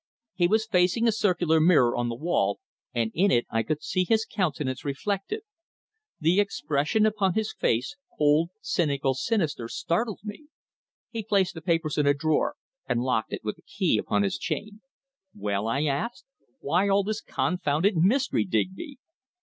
He was facing a circular mirror on the wall, and in it I could see his countenance reflected. The expression upon his face cold, cynical, sinister startled me. He placed the papers in a drawer and locked it with a key upon his chain. "Well?" I asked. "Why all this confounded mystery, Digby?"